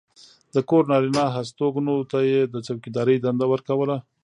د کور نارینه هستوګنو ته یې د څوکېدارۍ دنده ورکوله.